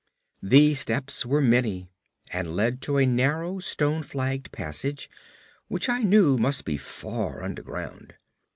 The steps were many, and led to a narrow stone flagged passage which I knew must be far underground.